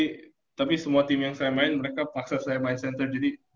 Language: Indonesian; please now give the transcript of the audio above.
oke tapi semua tim yang saya main mereka paksa saya main center jadi saya kayak sedikit